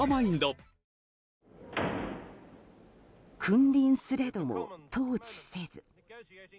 君臨すれども統治せず。